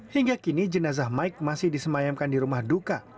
hingga kini jenazah mike masih disemayamkan di rumah duka